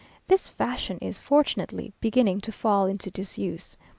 This fashion is, fortunately, beginning to fall into disuse....